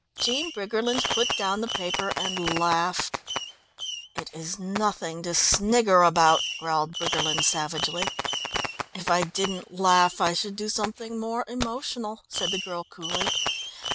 Jean Briggerland put down the paper and laughed. "It is nothing to snigger about," growled Briggerland savagely. "If I didn't laugh I should do something more emotional," said the girl coolly.